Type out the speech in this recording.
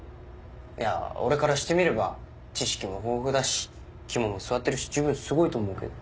いや俺からしてみれば知識も豊富だし肝も据わってるしじゅうぶんすごいと思うけど。